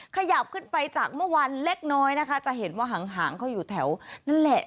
ขยับขึ้นไปจากเมื่อวานเล็กน้อยนะคะจะเห็นว่าหางเขาอยู่แถวนั่นแหละ